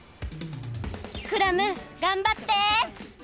クラムがんばって！